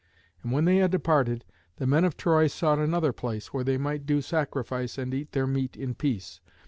And when they had departed, the men of Troy sought another place where they might do sacrifice and eat their meat in peace.